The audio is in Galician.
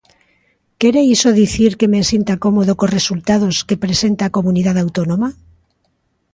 ¿Quere iso dicir que me sinta cómodo cos resultados que presenta a comunidade autónoma?